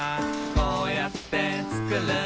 こうやってつくる」